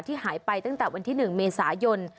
หายไปตั้งแต่วันที่๑เมษายน